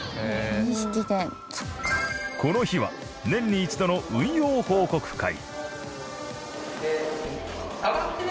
この日は年に一度の運用報告会。